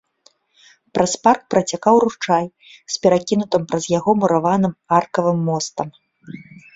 Праз парк працякаў ручай з перакінутым праз яго мураваным аркавым мостам.